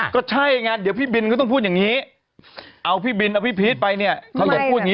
ก็ใช่อย่างงั้นเดี๋ยวพี่บินก็ต้องพูดอย่างนี้เอาพี่บินเอาพี่พีชไปเนี่ย